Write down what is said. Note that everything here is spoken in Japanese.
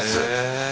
え。